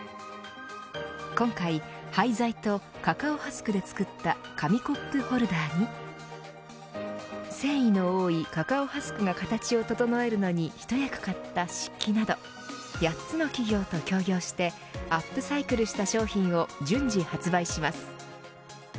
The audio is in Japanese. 今回、廃材とカカオハスクで作った紙コップホルダーに繊維の多いカカオハスクが形を整えるのに一役買った漆器など８つの企業と協業してアップサイクルした商品を順次発売します。